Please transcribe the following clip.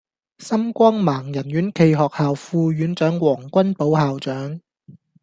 心光盲人院暨學校副院長黃君寶校長